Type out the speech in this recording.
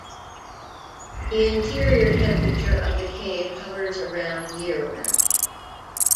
The interior temperature of the cave hovers around year round.